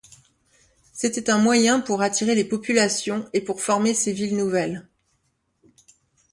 C'était un moyen pour attirer les populations et pour former ces villes nouvelles.